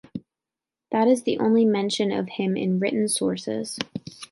That is the only mention of him in written sources.